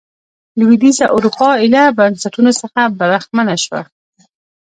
لوېدیځه اروپا ایله بنسټونو څخه برخمنه شوه.